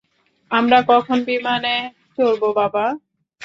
আমরা কখন বিমানে চড়বো, বাবা?